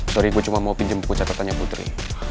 sorry gue cuma mau pinjem buku catatannya putri